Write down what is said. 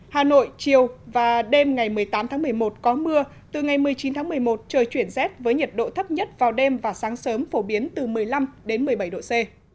hà nội chiều và đêm ngày một mươi tám tháng một mươi một có mưa từ ngày một mươi chín tháng một mươi một trời chuyển rét với nhiệt độ thấp nhất vào đêm và sáng sớm phổ biến từ một mươi năm một mươi bảy độ c